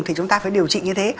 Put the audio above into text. thì chúng ta phải điều trị như thế